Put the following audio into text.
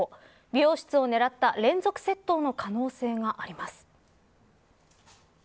美容室を狙った連続窃盗の可能性があります。